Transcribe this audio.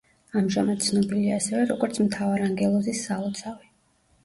ამჟამად ცნობილია ასევე, როგორც მთავარანგელოზის სალოცავი.